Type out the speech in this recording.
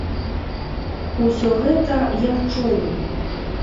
Усё гэта я чуў.